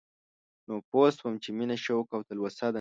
نو پوه شوم چې مينه شوق او تلوسه ده